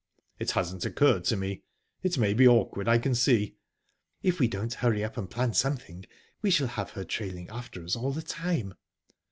"It hasn't occurred to me. It may be awkward, I can see." "If we don't hurry up and plan something, we shall have her trailing after us all the time."